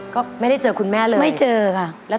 ก็ไม่ได้เจอคุณแม่เลยแล้วตอนนึงไม่เจอค่ะ